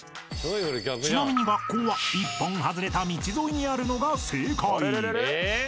［ちなみに学校は一本外れた道沿いにあるのが正解］